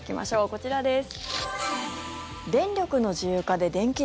こちらです。